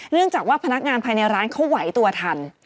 จากว่าพนักงานภายในร้านเขาไหวตัวทัน